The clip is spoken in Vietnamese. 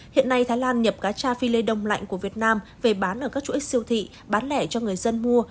hiện nay thái lan nhập cà cha philê đông lạnh của việt nam về bán ở các chuỗi siêu thị bán lẻ cho người dân mua